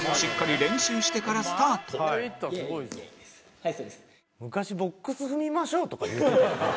はいそうです。とか言うてたよな。